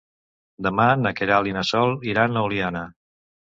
Demà na Queralt i na Sol iran a Oliana.